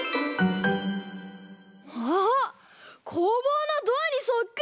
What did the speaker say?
ああっこうぼうのドアにそっくり！